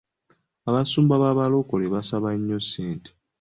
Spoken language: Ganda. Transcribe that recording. Abasumba b'Abalokole basaba nnyo ssente.